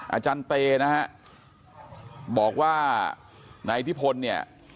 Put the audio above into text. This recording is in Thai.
อาจารย์เตนะฮะบอกว่านายทิพลเนี่ย